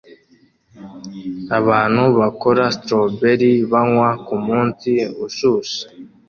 abantu bakora strawberry banywa kumunsi ushushe